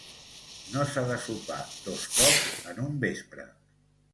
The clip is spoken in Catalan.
No s'ha de sopar dos cops en un vespre.